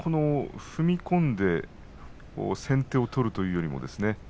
踏み込んで先手を取るというよりもですね